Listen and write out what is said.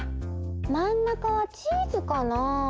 まん中はチーズかなあ？